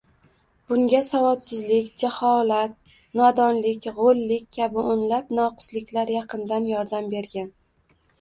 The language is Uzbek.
Bunga savodsizlik, jaholat, nodonlik, go’llik kabi o’nlab noqisliklar yaqindan yordam bergan.